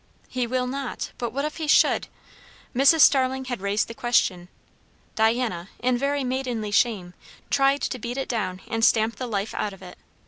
"He will not. But what if he should?" Mrs. Starling had raised the question. Diana, in very maidenly shame, tried to beat it down and stamp the life out of it.